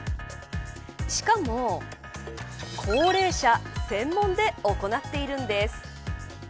しかも高齢者専門で行っているんです。